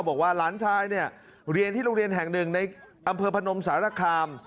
บอกว่าหลานชายเนี่ยเรียนที่โรงเรียนแห่งหนึ่งในอำเภอพนมสารคาม